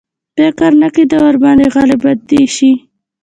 فکر نه کېدی ورباندي غالب دي شي.